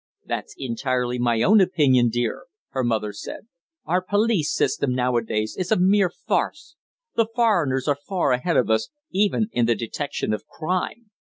"That's entirely my own opinion, dear," her mother said. "Our police system nowadays is a mere farce. The foreigners are far ahead of us, even in the detection of crime.